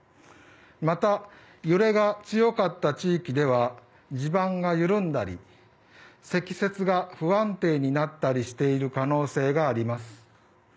また、揺れが強かった地域では地盤が緩んだり積雪が不安定になったりしている可能性があります。